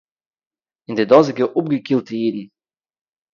אין די דאָזיגע אָפּגעקילטע אידן